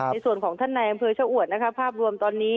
ในส่วนของท่านในอำเภอชะอวดนะคะภาพรวมตอนนี้